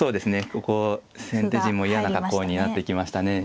ここ先手陣も嫌な格好になってきましたね。